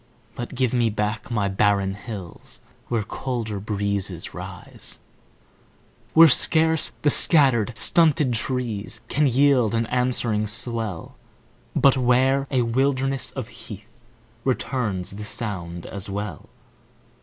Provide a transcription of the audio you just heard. But give me back my barren hills Where colder breezes rise; Where scarce the scattered, stunted trees Can yield an answering swell, But where a wilderness of heath Returns the sound as well.